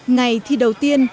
ngày thi đầu tiên